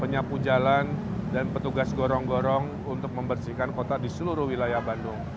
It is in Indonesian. penyapu jalan dan petugas gorong gorong untuk membersihkan kota di seluruh wilayah bandung